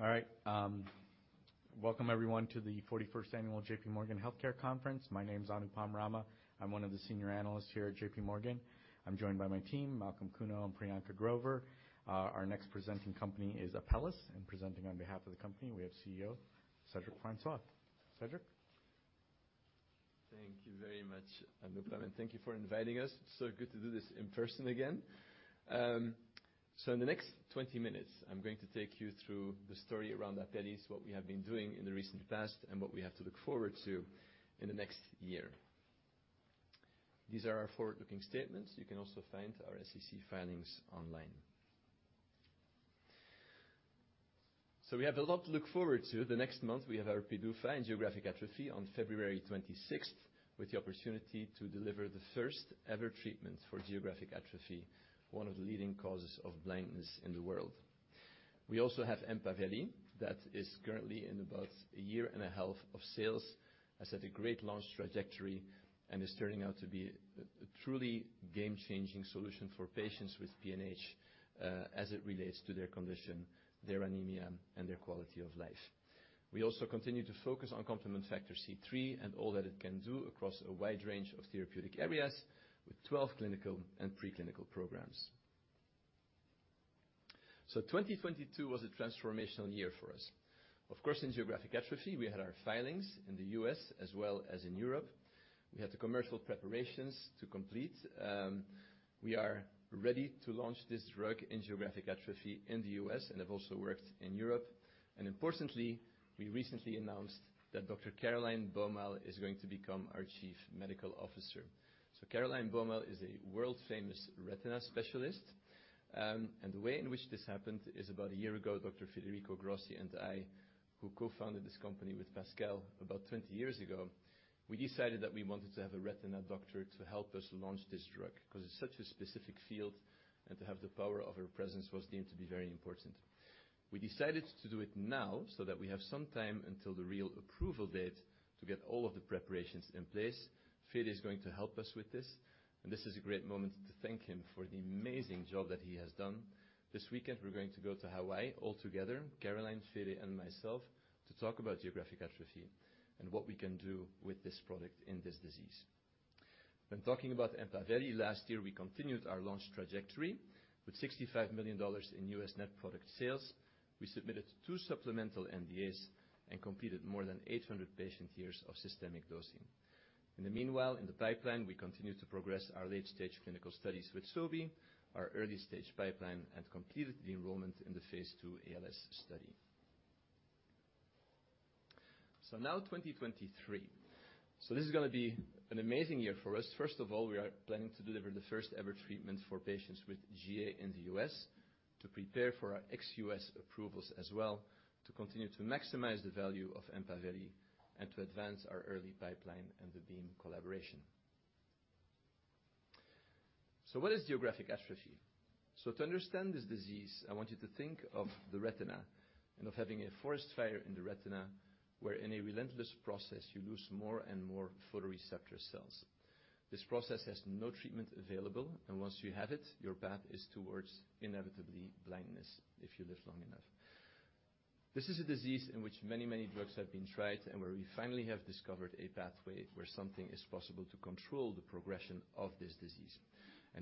All right. Welcome everyone to the 41st annual JPMorgan Healthcare Conference. My name's Anupam Rama. I'm one of the senior analysts here at JPMorgan. I'm joined by my team, Malcolm Kuno and Priyanka Grover. Our next presenting company is Apellis, presenting on behalf of the company, we have CEO Cedric Francois. Cedric? Thank you very much, Anupam, and thank you for inviting us. Good to do this in person again. In the next 20 minutes, I'm going to take you through the story around Apellis, what we have been doing in the recent past, and what we have to look forward to in the next year. These are our forward-looking statements. You can also find our SEC filings online. We have a lot to look forward to. The next month we have our PDUFA in geographic atrophy on February 26th, with the opportunity to deliver the first-ever treatment for geographic atrophy, one of the leading causes of blindness in the world. We also have EMPAVELI that is currently in about a year and a half of sales, has had a great launch trajectory and is turning out to be a truly game-changing solution for patients with PNH as it relates to their condition, their anemia, and their quality of life. We also continue to focus on complement factor C3 and all that it can do across a wide range of therapeutic areas with 12 clinical and pre-clinical programs. 2022 was a transformational year for us. Of course, in geographic atrophy, we had our filings in the U.S. as well as in Europe. We had the commercial preparations to complete. We are ready to launch this drug in geographic atrophy in the U.S. and have also worked in Europe. Importantly, we recently announced that Dr. Caroline Baumal is going to become our Chief Medical Officer. Caroline Baumal is a world-famous retina specialist. The way in which this happened is about a year ago, Dr. Federico Grossi and I, who co-founded this company with Pascal about 20 years ago, we decided that we wanted to have a retina doctor to help us launch this drug, 'cause it's such a specific field, and to have the power of her presence was deemed to be very important. We decided to do it now so that we have some time until the real approval date to get all of the preparations in place. Fede is going to help us with this. This is a great moment to thank him for the amazing job that he has done. This weekend we're going to go to Hawaii all together, Caroline, Fede, and myself, to talk about geographic atrophy and what we can do with this product in this disease. When talking about EMPAVELI, last year we continued our launch trajectory with $65 million in U.S. net product sales. We submitted two supplemental NDAs and completed more than 800 patient years of systemic dosing. In the meanwhile, in the pipeline, we continued to progress our late-stage clinical studies with Sobi, our early-stage pipeline, and completed the enrollment in the phase II ALS study. Now 2023. This is gonna be an amazing year for us. First of all, we are planning to deliver the first-ever treatment for patients with GA in the U.S. to prepare for our ex-U.S. approvals as well, to continue to maximize the value of EMPAVELI and to advance our early pipeline and the Beam collaboration. What is geographic atrophy? To understand this disease, I want you to think of the retina and of having a forest fire in the retina, where in a relentless process, you lose more and more photoreceptor cells. This process has no treatment available, and once you have it, your path is towards inevitably blindness if you live long enough. This is a disease in which many, many drugs have been tried and where we finally have discovered a pathway where something is possible to control the progression of this disease.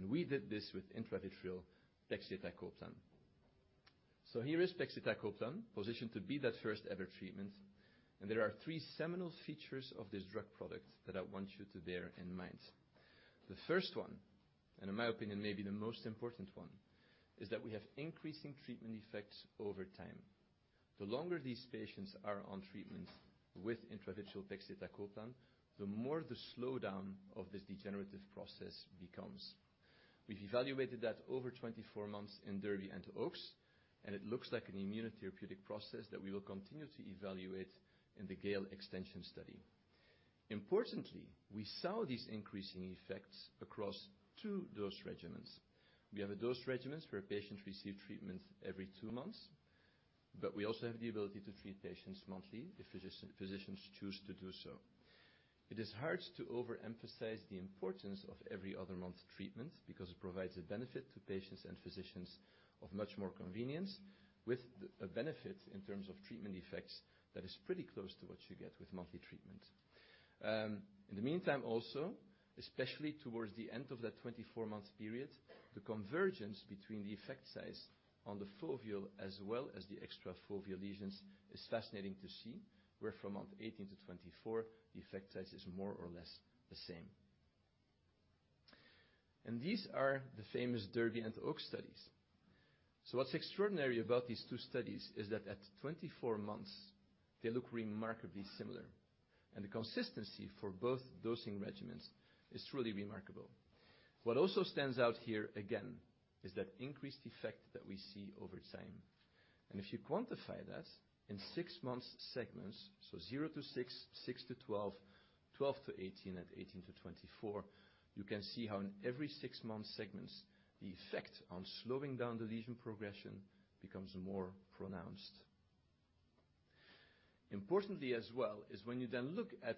We did this with intravitreal pegcetacoplan. Here is pegcetacoplan, positioned to be that first-ever treatment, and there are three seminal features of this drug product that I want you to bear in mind. The first one, and in my opinion maybe the most important one, is that we have increasing treatment effects over time. The longer these patients are on treatment with intravitreal pegcetacoplan, the more the slowdown of this degenerative process becomes. We've evaluated that over 24 months in DERBY and OAKS, and it looks like an immunotherapeutic process that we will continue to evaluate in the GALE extension study. Importantly, we saw these increasing effects across two dose regimens. We have a dose regimens where patients receive treatment every two months, but we also have the ability to treat patients monthly if physicians choose to do so. It is hard to overemphasize the importance of every other month treatment because it provides a benefit to patients and physicians of much more convenience with a benefit in terms of treatment effects that is pretty close to what you get with monthly treatment. In the meantime also, especially towards the end of that 24-month period, the convergence between the effect size on the foveal as well as the extra foveal lesions is fascinating to see, where from month 18 to 24 the effect size is more or less the same. These are the famous DERBY and OAKS studies. What's extraordinary about these two studies is that at 24 months they look remarkably similar, and the consistency for both dosing regimens is truly remarkable. What also stands out here again is that increased effect that we see over time. If you quantify that in six-month segments, so 0-6, 6-12, 12-18, and 18-24, you can see how in every six-month segments the effect on slowing down the lesion progression becomes more pronounced. Importantly as well is when you then look at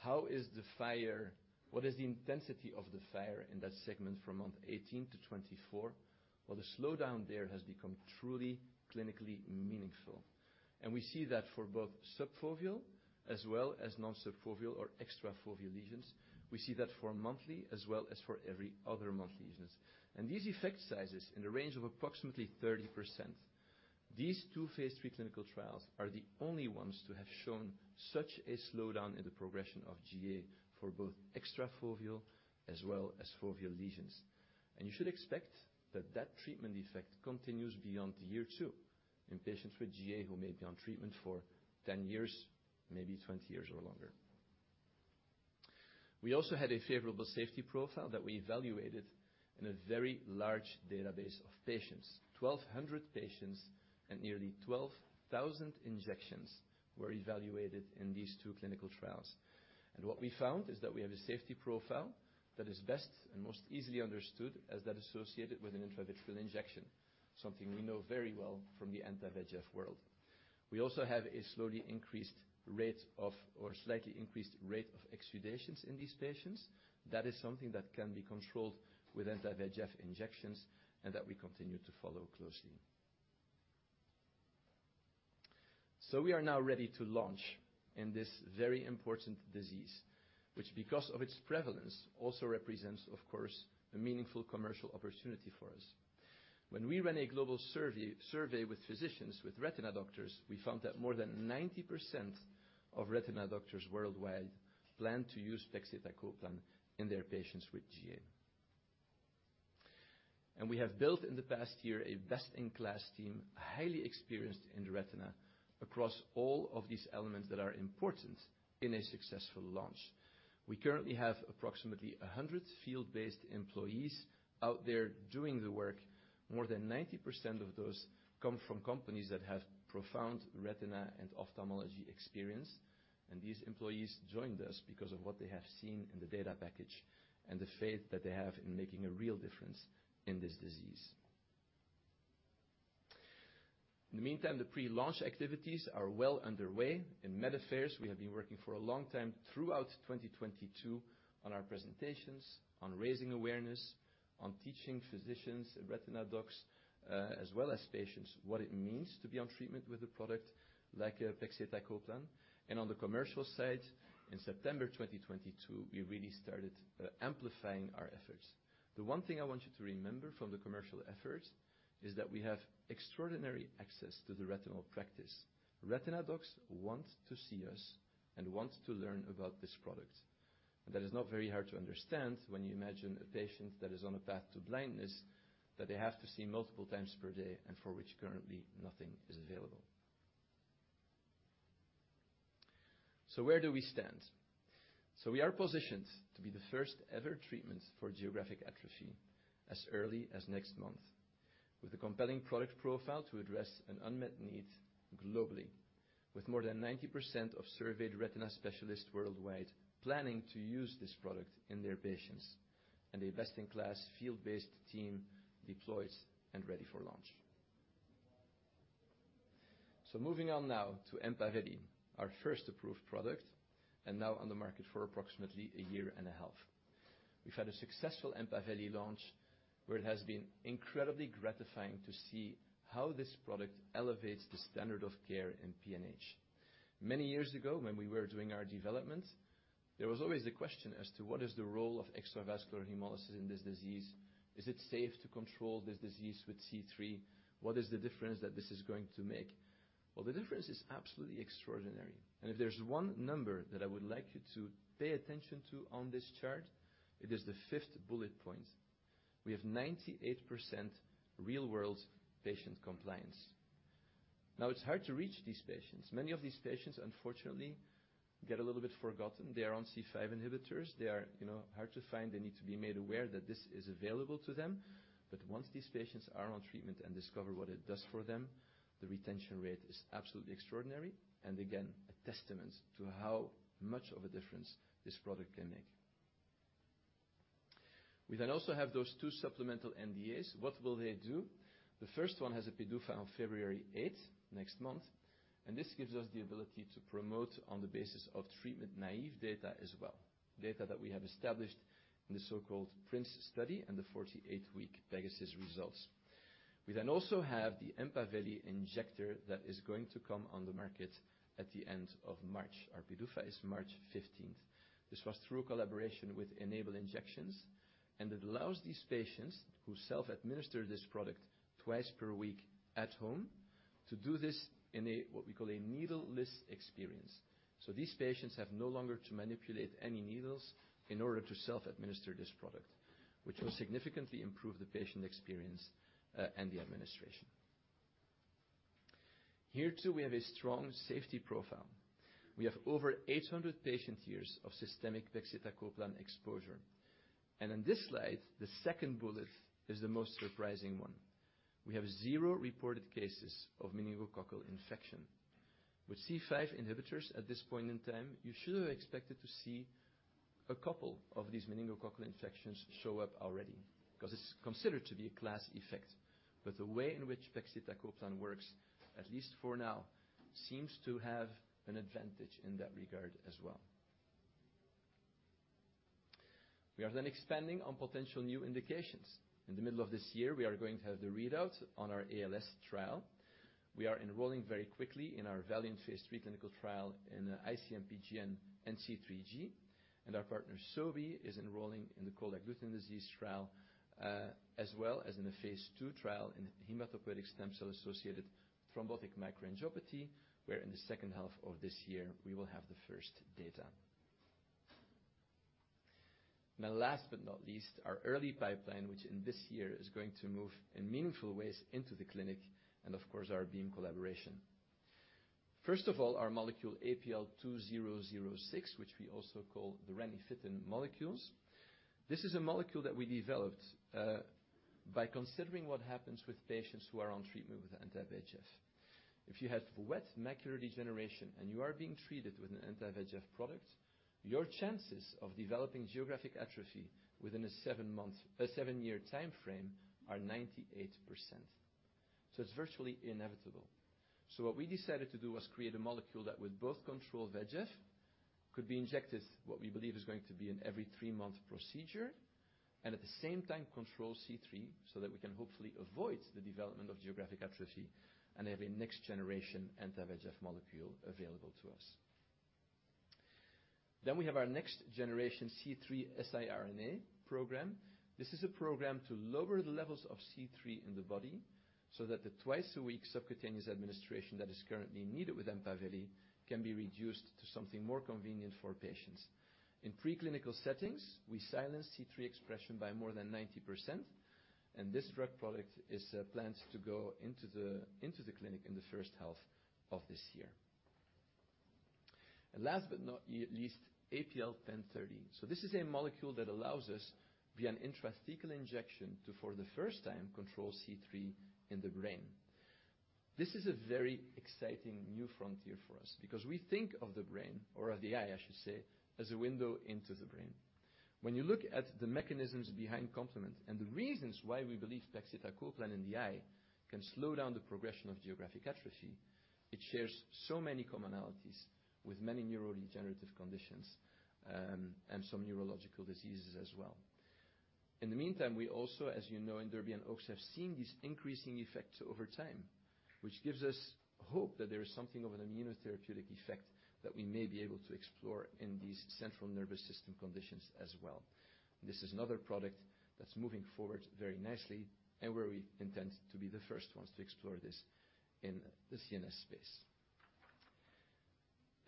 how is the fire, what is the intensity of the fire in that segment from month 18 to 24, well, the slowdown there has become truly clinically meaningful. We see that for both subfoveal as well as non-subfoveal or extrafoveal lesions. We see that for monthly as well as for every other month lesions. These effect sizes in the range of approximately 30%. These two phase III clinical trials are the only ones to have shown such a slowdown in the progression of GA for both extrafoveal as well as foveal lesions. You should expect that that treatment effect continues beyond year two in patients with GA who may be on treatment for 10 years, maybe 20 years or longer. We also had a favorable safety profile that we evaluated in a very large database of patients. 1,200 patients and nearly 12,000 injections were evaluated in these two clinical trials. What we found is that we have a safety profile that is best and most easily understood as that associated with an intravitreal injection, something we know very well from the anti-VEGF world. We also have a slowly increased rate of or slightly increased rate of exudations in these patients. That is something that can be controlled with anti-VEGF injections and that we continue to follow closely. We are now ready to launch in this very important disease, which because of its prevalence, also represents, of course, a meaningful commercial opportunity for us. When we ran a global survey with physicians, with retina doctors, we found that more than 90% of retina doctors worldwide plan to use pegcetacoplan in their patients with GA. We have built in the past year a best-in-class team, highly experienced in the retina across all of these elements that are important in a successful launch. We currently have approximately 100 field-based employees out there doing the work. More than 90% of those come from companies that have profound retina and ophthalmology experience. These employees joined us because of what they have seen in the data package and the faith that they have in making a real difference in this disease. In the meantime, the pre-launch activities are well underway. In med affairs, we have been working for a long time throughout 2022 on our presentations, on raising awareness, on teaching physicians and retina docs, as well as patients, what it means to be on treatment with a product like pegcetacoplan. On the commercial side, in September 2022, we really started amplifying our efforts. The one thing I want you to remember from the commercial efforts is that we have extraordinary access to the retinal practice. Retina docs want to see us and want to learn about this product. That is not very hard to understand when you imagine a patient that is on a path to blindness, that they have to see multiple times per day and for which currently nothing is available. Where do we stand? We are positioned to be the first ever treatment for geographic atrophy as early as next month. With a compelling product profile to address an unmet need globally. With more than 90% of surveyed retina specialists worldwide planning to use this product in their patients, and a best-in-class field-based team deployed and ready for launch. Moving on now to EMPAVELI, our first approved product, and now on the market for approximately a year and a half. We've had a successful EMPAVELI launch, where it has been incredibly gratifying to see how this product elevates the standard of care in PNH. Many years ago, when we were doing our development, there was always a question as to what is the role of extravascular hemolysis in this disease? Is it safe to control this disease with C3? What is the difference that this is going to make? The difference is absolutely extraordinary. If there's one number that I would like you to pay attention to on this chart, it is the fifth bullet point. We have 98% real-world patient compliance. It's hard to reach these patients. Many of these patients, unfortunately, get a little bit forgotten. They are on C5 inhibitors. They are, you know, hard to find. They need to be made aware that this is available to them. Once these patients are on treatment and discover what it does for them, the retention rate is absolutely extraordinary, and again, a testament to how much of a difference this product can make. We also have those two supplemental NDAs. What will they do? The first one has a PDUFA on February 8th, next month. This gives us the ability to promote on the basis of treatment-naive data as well, data that we have established in the so-called PRINCE study and the 48-week PEGASUS results. We then also have the EMPAVELI injector that is going to come on the market at the end of March. Our PDUFA is March 15th. This was through a collaboration with Enable Injections. It allows these patients who self-administer this product twice per week at home to do this in a, what we call a needleless experience. These patients have no longer to manipulate any needles in order to self-administer this product, which will significantly improve the patient experience and the administration. Here, too, we have a strong safety profile. We have over 800 patient years of systemic pegcetacoplan exposure. On this slide, the second bullet is the most surprising one. We have zero reported cases of meningococcal infection. With C5 inhibitors at this point in time, you should have expected to see a couple of these meningococcal infections show up already because it's considered to be a class effect. The way in which pegcetacoplan works, at least for now, seems to have an advantage in that regard as well. We are expanding on potential new indications. In the middle of this year, we are going to have the readout on our ALS trial. We are enrolling very quickly in our VALIANT phase III clinical trial in IC-MPGN and C3G, and our partner, Sobi, is enrolling in the Cold Agglutinin Disease trial, as well as in the phase II trial in hematopoietic stem cell-associated thrombotic microangiopathy, where in the second half of this year, we will have the first data. Now, last but not least, our early pipeline, which in this year is going to move in meaningful ways into the clinic, and of course, our Beam collaboration. First of all, our molecule APL-2006, which we also call the ranibizumab molecules. This is a molecule that we developed by considering what happens with patients who are on treatment with anti-VEGF. If you have wet macular degeneration and you are being treated with an anti-VEGF product, your chances of developing geographic atrophy within a seven-year timeframe are 98%. It's virtually inevitable. What we decided to do was create a molecule that would both control VEGF, could be injected, what we believe is going to be an every three-month procedure, and at the same time, control C3 so that we can hopefully avoid the development of geographic atrophy and have a next generation anti-VEGF molecule available to us. We have our next generation C3 siRNA program. This is a program to lower the levels of C3 in the body so that the twice-a-week subcutaneous administration that is currently needed with EMPAVELI can be reduced to something more convenient for patients. In preclinical settings, we silence C3 expression by more than 90%, this drug product is planned to go into the clinic in the first half of this year. Last but not least, APL-1030. This is a molecule that allows us, via an intrathecal injection, to, for the first time, control C3 in the brain. This is a very exciting new frontier for us because we think of the brain or of the eye, I should say, as a window into the brain. When you look at the mechanisms behind complement and the reasons why we believe pegcetacoplan in the eye can slow down the progression of geographic atrophy, it shares so many commonalities with many neurodegenerative conditions, and some neurological diseases as well. In the meantime, we also, as you know, in DERBY and OAKS, have seen these increasing effects over time, which gives us hope that there is something of an immunotherapeutic effect that we may be able to explore in these central nervous system conditions as well. This is another product that's moving forward very nicely and where we intend to be the first ones to explore this in the CNS space.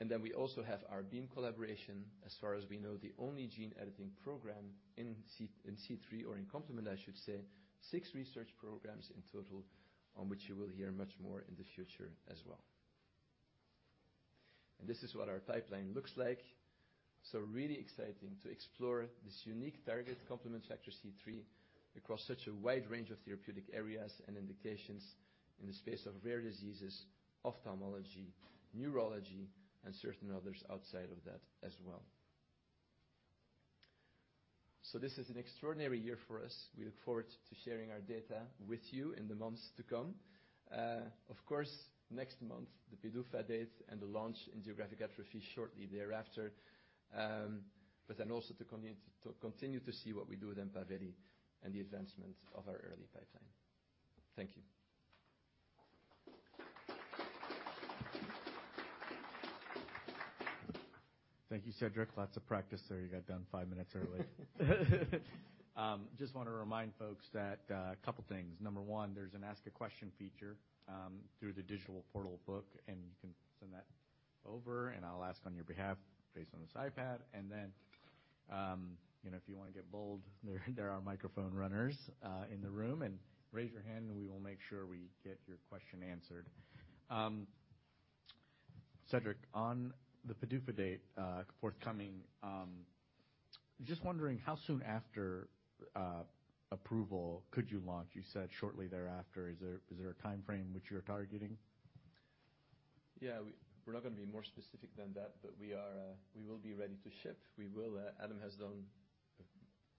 Then we also have our Beam collaboration. As far as we know, the only gene editing program in C3 or in complement, I should say, six research programs in total on which you will hear much more in the future as well. This is what our pipeline looks like. Really exciting to explore this unique target complement factor C3 across such a wide range of therapeutic areas and indications in the space of rare diseases, ophthalmology, neurology, and certain others outside of that as well. This is an extraordinary year for us. We look forward to sharing our data with you in the months to come. Of course, next month, the PDUFA date and the launch in geographic atrophy shortly thereafter, also to continue to see what we do with EMPAVELI and the advancement of our early pipeline. Thank you. Thank you, Cedric. Lots of practice there. You got done five minutes early. Just wanna remind folks that a couple things. Number one, there's an ask a question feature through the digital portal book, and you can send that over, and I'll ask on your behalf based on this iPad. Then, you know, if you wanna get bold, there are microphone runners in the room, and raise your hand, and we will make sure we get your question answered. Cedric, on the PDUFA date forthcoming, just wondering how soon after approval could you launch? You said shortly thereafter. Is there a timeframe which you're targeting? Yeah. We're not gonna be more specific than that, but we are, we will be ready to ship. We will, Adam has done a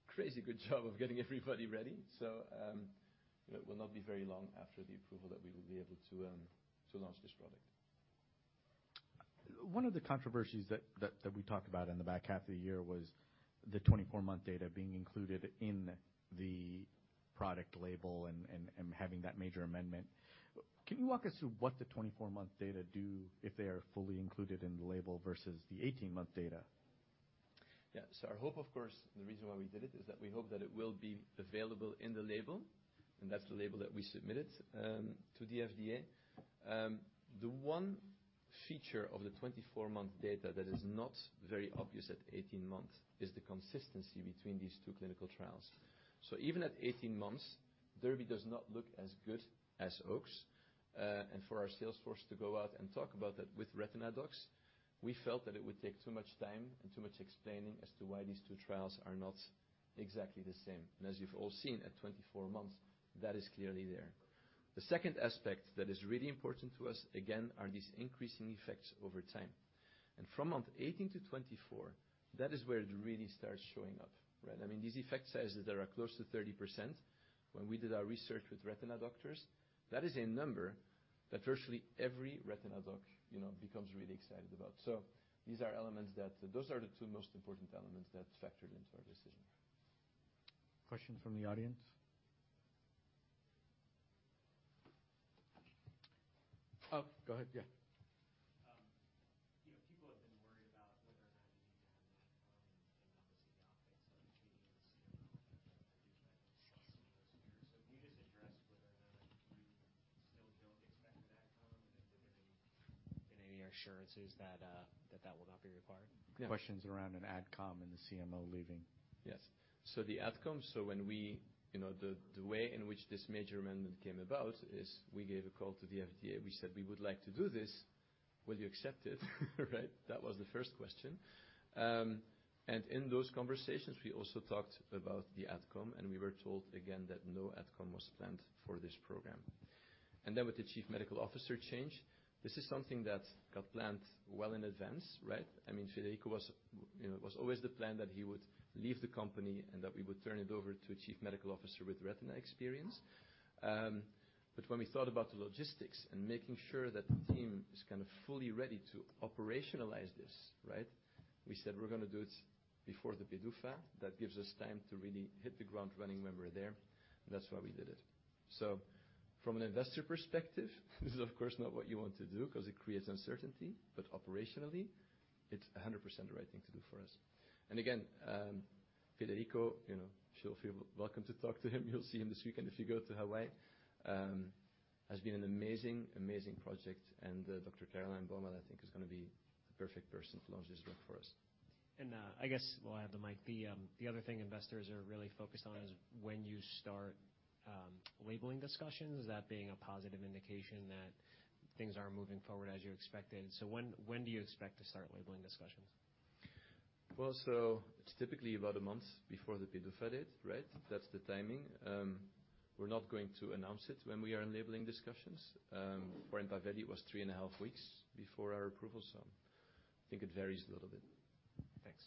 crazy good job of getting everybody ready. It will not be very long after the approval that we will be able to launch this product. One of the controversies that we talked about in the back half of the year was the 24-month data being included in the product label and having that major amendment. Can you walk us through what the 24-month data do if they are fully included in the label versus the 18-month data? Yeah. Our hope, of course, the reason why we did it is that we hope that it will be available in the label, and that's the label that we submitted to the FDA. The one feature of the 24-month data that is not very obvious at 18 months is the consistency between these two clinical trials. Even at 18 months, DERBY does not look as good as OAKS. For our sales force to go out and talk about that with retina docs, we felt that it would take too much time and too much explaining as to why these two trials are not exactly the same. As you've all seen at 24 months, that is clearly there. The second aspect that is really important to us, again, are these increasing effects over time. From month 18 to 24, that is where it really starts showing up, right? I mean, these effect sizes that are close to 30% when we did our research with retina doctors, that is a number that virtually every retina doc, you know, becomes really excited about. These are elements. Those are the two most important elements that factored into our decision. Questions from the audience. Oh, go ahead. Yeah. You know, people have been worried about whether or not you have an Adcom and obviously the updates of the CMO in those years. Can you just address whether or not you still don't expect an Adcom and if there's any assurances that will not be required? Questions around an Adcom and the CMO leaving. Yes. The adcom. You know, the way in which this major amendment came about is we gave a call to the FDA. We said, "We would like to do this. Will you accept it?" Right. That was the first question. In those conversations, we also talked about the adcom, and we were told again that no adcom was planned for this program. Then with the chief medical officer change, this is something that got planned well in advance, right? I mean, Federico was, you know, it was always the plan that he would leave the company and that we would turn it over to a chief medical officer with retina experience. When we thought about the logistics and making sure that the team is kind of fully ready to operationalize this, right. We said, we're gonna do it before the PDUFA. That gives us time to really hit the ground running when we're there. That's why we did it. From an investor perspective, this is of course not what you want to do because it creates uncertainty, but operationally, it's 100% the right thing to do for us. Again, Federico, you know, you all feel welcome to talk to him. You'll see him this weekend if you go to Hawaii. Has been an amazing project. Dr. Caroline Baumal, I think is gonna be the perfect person to launch this drug for us. I guess while I have the mic, the other thing investors are really focused on is when you start labeling discussions, that being a positive indication that things are moving forward as you expected. When do you expect to start labeling discussions? Well, it's typically about a month before the PDUFA date, right? That's the timing. We're not going to announce it when we are in labeling discussions. For SYFOVRE, it was III and a half weeks before our approval. I think it varies a little bit. Thanks.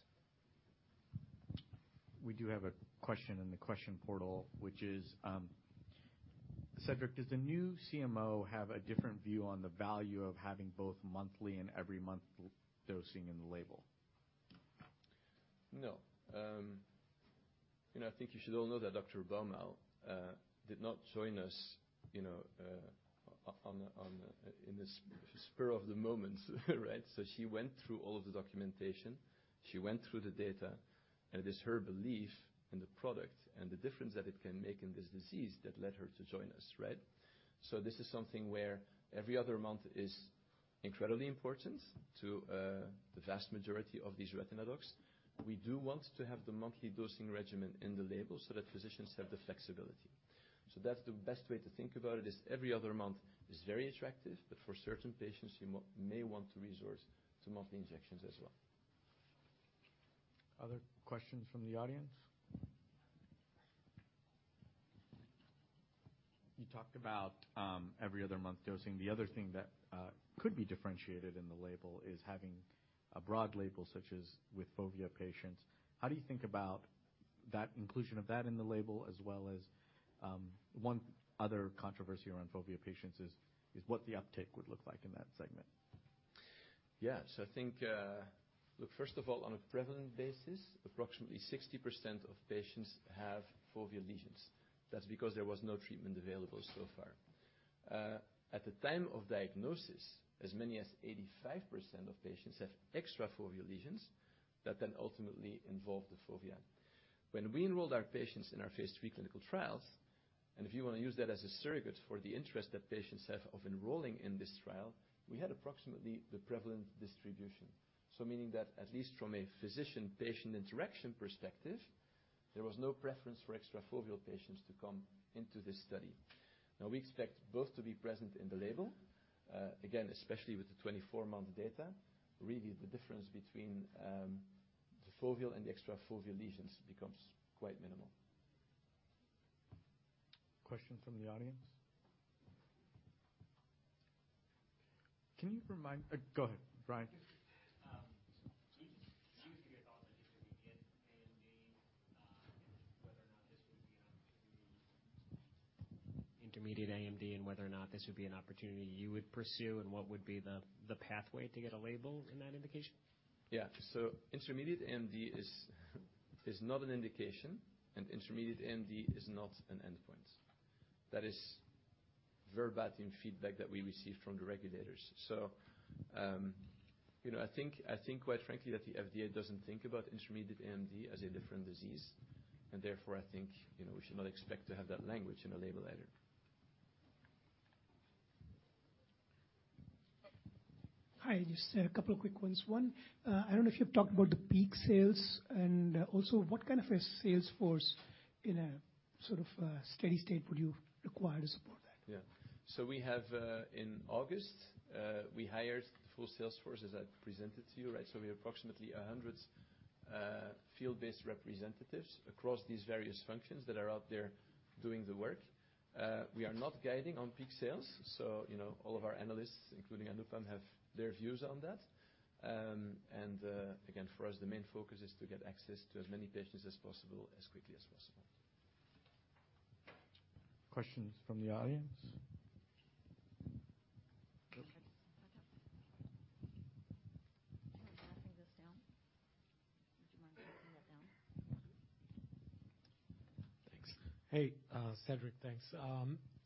We do have a question in the question portal, which is, Cedric, does the new CMO have a different view on the value of having both monthly and every other month dosing in the label? You know, I think you should all know that Dr. Baumal did not join us, you know, in the spur of the moment, right? She went through all of the documentation, she went through the data, and it is her belief in the product and the difference that it can make in this disease that led her to join us, right? This is something where every other month is incredibly important to the vast majority of these retina docs. We do want to have the monthly dosing regimen in the label so that physicians have the flexibility. That's the best way to think about it, is every other month is very attractive, but for certain patients, you may want to resource to monthly injections as well. Other questions from the audience. You talked about every other month dosing. The other thing that could be differentiated in the label is having a broad label, such as with fovea patients. How do you think about that inclusion of that in the label, as well as one other controversy around fovea patients is what the uptake would look like in that segment? I think, look, first of all, on a prevalent basis, approximately 60% of patients have foveal lesions. That's because there was no treatment available so far. At the time of diagnosis, as many as 85% of patients have extra foveal lesions that ultimately involve the fovea. When we enrolled our patients in our phase III clinical trials, if you wanna use that as a surrogate for the interest that patients have of enrolling in this trial, we had approximately the prevalent distribution. Meaning that, at least from a physician-patient interaction perspective, there was no preference for extra foveal patients to come into this study. Now, we expect both to be present in the label. Again, especially with the 24 month data, really the difference between the foveal and the extra foveal lesions becomes quite minimal. Question from the audience. Go ahead, Brian. Can you give your thoughts on intermediate AMD and whether or not this would be an opportunity you would pursue, and what would be the pathway to get a label in that indication? Intermediate AMD is not an indication, intermediate AMD is not an endpoint. That is verbatim feedback that we received from the regulators. You know, I think quite frankly, that the FDA doesn't think about intermediate AMD as a different disease, therefore, I think, you know, we should not expect to have that language in a label either. Hi, just a couple of quick ones. One, I don't know if you've talked about the peak sales and also what kind of a sales force in a sort of, steady state would you require to support that? Yeah. We have in August, we hired the full sales force as I presented to you, right? We have approximately 100 field-based representatives across these various functions that are out there doing the work. We are not guiding on peak sales, you know, all of our analysts, including Anupam, have their views on that. Again, for us, the main focus is to get access to as many patients as possible as quickly as possible. Questions from the audience? Can I have this back up? Can we pass this down? Would you mind passing that down? Thanks. Hey, Cedric. Thanks.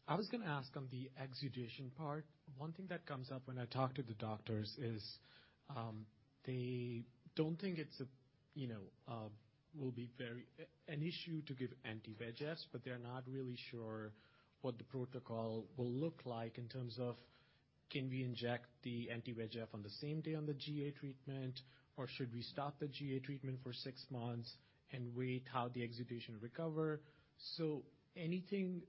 I was gonna ask on the exudation part, one thing that comes up when I talk to the doctors is, they don't think it's a, you know, an issue to give anti-VEGF, but they're not really sure what the protocol will look like in terms of can we inject the anti-VEGF on the same day on the GA treatment, or should we stop the GA treatment for six months and wait how the exudation recover? Anything,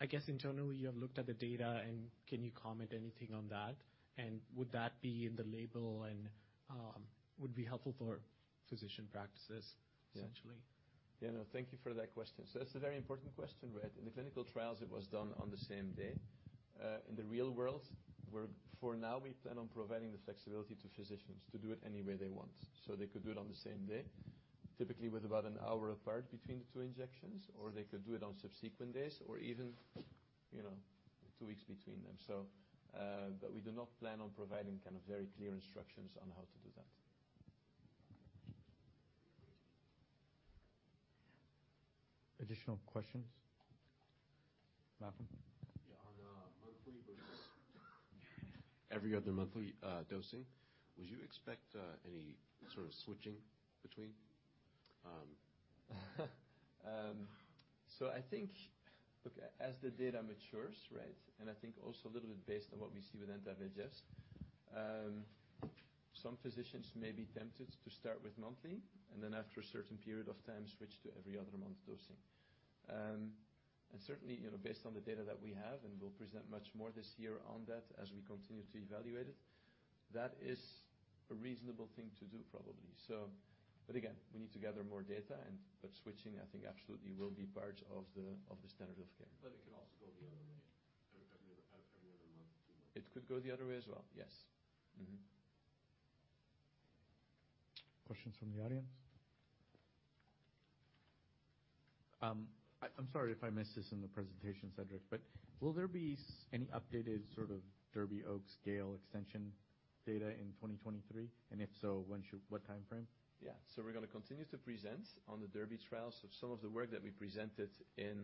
I guess, internally you have looked at the data, and can you comment anything on that? Would that be in the label, and, would it be helpful for physician practices essentially? Yeah. No. Thank you for that question. That's a very important question, right? In the clinical trials, it was done on the same day. In the real world, for now we plan on providing the flexibility to physicians to do it any way they want. They could do it on the same day, typically with about an hour apart between the two injections, or they could do it on subsequent days or even, you know, two weeks between them. We do not plan on providing kind of very clear instructions on how to do that. Additional questions? Malcolm? On monthly versus every other monthly dosing, would you expect any sort of switching between? I think, look, as the data matures, right, and I think also a little bit based on what we see with anti-VEGF, some physicians may be tempted to start with monthly, and then after a certain period of time, switch to every other month dosing. Certainly, you know, based on the data that we have, and we'll present much more this year on that as we continue to evaluate it, that is a reasonable thing to do probably. But again, we need to gather more data and, but switching, I think, absolutely will be part of the, of the standard of care. It could also go the other way, every other month to monthly. It could go the other way as well. Yes. Mm-hmm. Questions from the audience? I'm sorry if I missed this in the presentation, Cedric, Will there be any updated sort of DERBY, OAKS, GALE extension data in 2023? If so, when should, what timeframe? Yeah. We're gonna continue to present on the DERBY trial. Some of the work that we presented in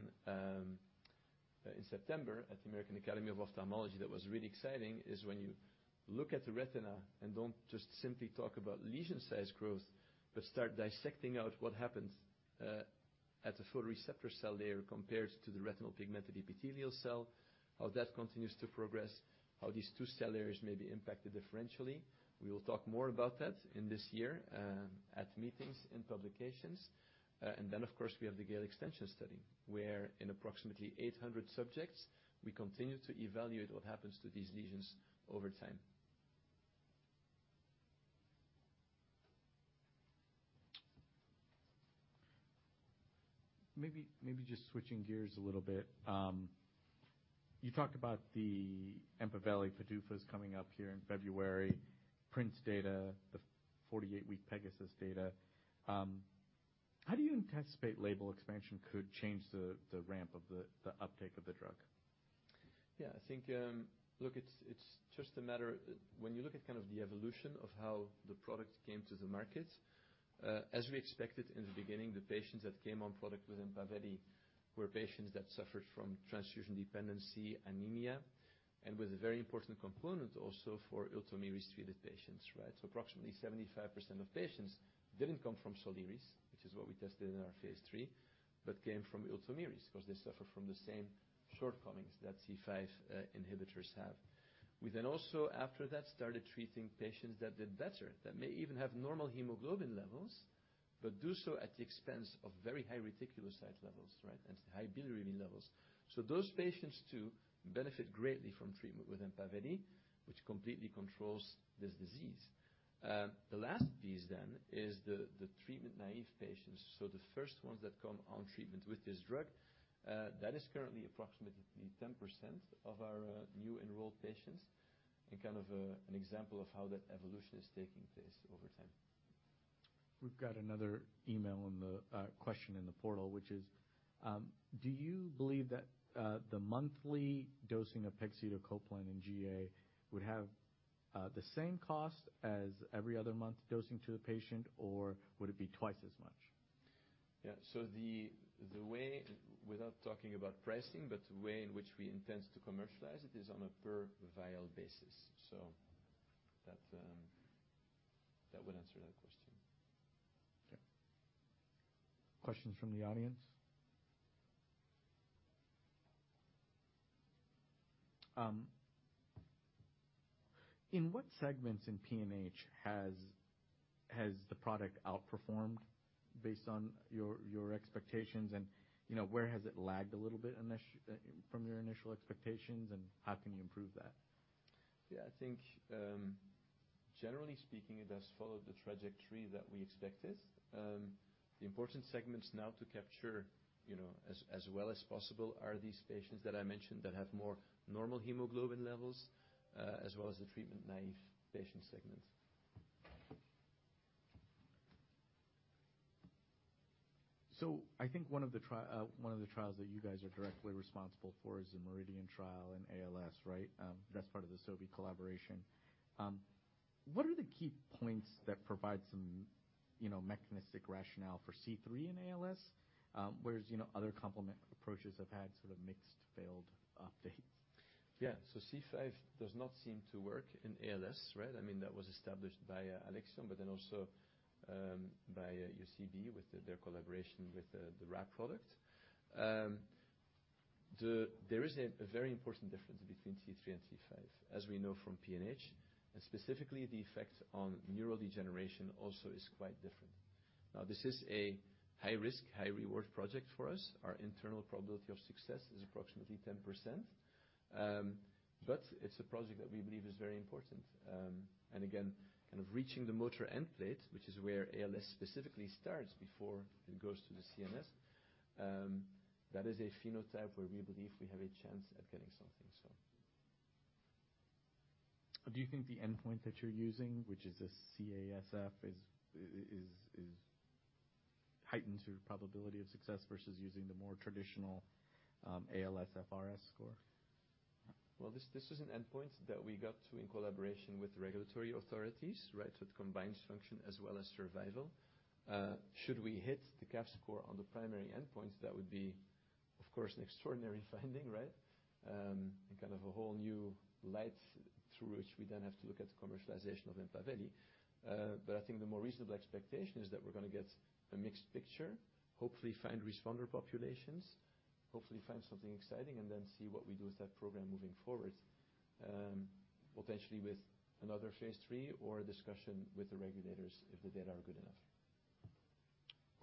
September at the American Academy of Ophthalmology that was really exciting is when you look at the retina and don't just simply talk about lesion size growth, but start dissecting out what happens at the photoreceptor cell layer compared to the retinal pigment epithelial cell, how that continues to progress, how these two cell layers may be impacted differentially. We will talk more about that in this year at meetings and publications. Of course, we have the GALE extension study, where in approximately 800 subjects, we continue to evaluate what happens to these lesions over time. Maybe just switching gears a little bit. You talked about the EMPAVELI, PDUFA coming up here in February, PRINCE data, the 48-week PEGASUS data. How do you anticipate label expansion could change the ramp of the uptake of the drug? I think it's just a matter. When you look at kind of the evolution of how the product came to the market, as we expected in the beginning, the patients that came on product with EMPAVELI were patients that suffered from transfusion dependency anemia and was a very important component also for ULTOMIRIS-treated patients, right? Approximately 75% of patients didn't come from Soliris, which is what we tested in our phase III, but came from ULTOMIRIS 'cause they suffer from the same shortcomings that C5 inhibitors have. We also, after that, started treating patients that did better, that may even have normal hemoglobin levels but do so at the expense of very high reticulocyte levels, right, and high bilirubin levels. Those patients too benefit greatly from treatment with EMPAVELI, which completely controls this disease. The last piece is the treatment-naïve patients, so the first ones that come on treatment with this drug. That is currently approximately 10% of our new enrolled patients and kind of an example of how that evolution is taking place over time. We've got another email in the question in the portal, which is, do you believe that the monthly dosing of pegcetacoplan in GA would have the same cost as every other month dosing to the patient, or would it be twice as much? The way, without talking about pricing, but the way in which we intend to commercialize it is on a per vial basis. That would answer that question. Yeah. Questions from the audience? In what segments in PNH has the product outperformed based on your expectations? You know, where has it lagged a little bit from your initial expectations, and how can you improve that? I think, generally speaking, it has followed the trajectory that we expected. The important segments now to capture, you know, as well as possible are these patients that I mentioned that have more normal hemoglobin levels, as well as the treatment-naive patient segments. I think one of the trials that you guys are directly responsible for is the MERIDIAN trial in ALS, right? That's part of the Sobi collaboration. What are the key points that provide some, you know, mechanistic rationale for C3 in ALS? Whereas, you know, other complement approaches have had sort of mixed failed updates. C5 does not seem to work in ALS, right? I mean, that was established by Alexion, but then also, by UCD with their collaboration with the Rap product. There is a very important difference between C3 and C5, as we know from PNH. Specifically, the effects on neural degeneration also is quite different. This is a high-risk, high-reward project for us. Our internal probability of success is approximately 10%. It's a project that we believe is very important. Again, kind of reaching the motor endplate, which is where ALS specifically starts before it goes to the CNS, that is a phenotype where we believe we have a chance at getting something, so. Do you think the endpoint that you're using, which is a CAFS, is heightened to probability of success versus using the more traditional, ALSFRS score? Well, this is an endpoint that we got to in collaboration with regulatory authorities, right? It combines function as well as survival. Should we hit the CAFS score on the primary endpoint, that would be, of course, an extraordinary finding, right? Kind of a whole new light through which we then have to look at the commercialization of EMPAVELI. I think the more reasonable expectation is that we're gonna get a mixed picture, hopefully find responder populations, hopefully find something exciting, and then see what we do with that program moving forward, potentially with another phase III or a discussion with the regulators if the data are good enough.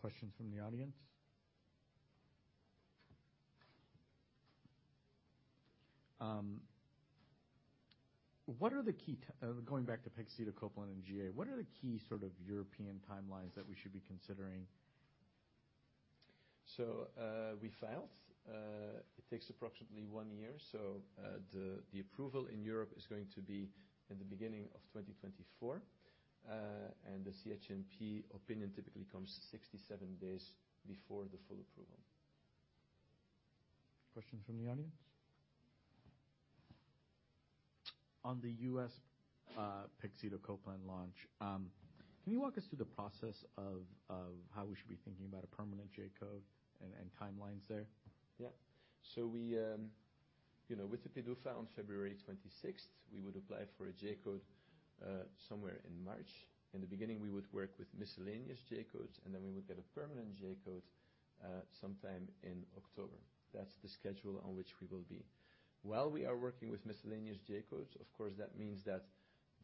Questions from the audience? Going back to pegcetacoplan and GA, what are the key sort of European timelines that we should be considering? We filed. It takes approximately one year. The approval in Europe is going to be in the beginning of 2024. The CHMP opinion typically comes 67 days before the full approval. Questions from the audience? On the U.S. pegcetacoplan launch, can you walk us through the process of how we should be thinking about a permanent J-code and timelines there? We, you know, with the PDUFA on February 26th, we would apply for a J-code somewhere in March. In the beginning, we would work with miscellaneous J-codes, and then we would get a permanent J-code sometime in October. That's the schedule on which we will be. While we are working with miscellaneous J-codes, of course, that means that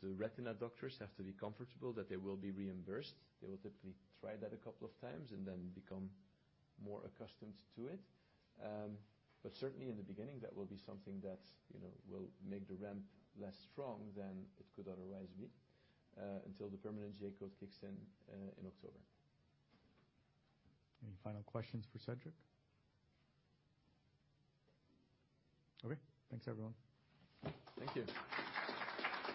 the retina doctors have to be comfortable that they will be reimbursed. They will typically try that a couple of times and then become more accustomed to it. Certainly in the beginning, that will be something that, you know, will make the ramp less strong than it could otherwise be until the permanent J-code kicks in in October. Any final questions for Cedric? Okay. Thanks, everyone. Thank you.